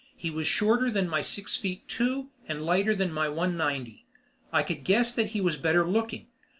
He was shorter than my six feet two and lighter than my one ninety. I could guess that he was better looking.